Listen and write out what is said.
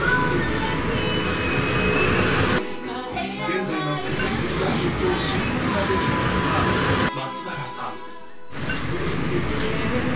現在の世界的大ヒットを知ることができなかった松原さん